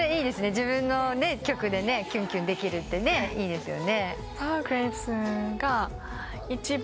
自分の曲でキュンキュンできるっていいですよね。